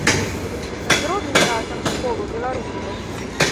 Зробім разам школу беларускай!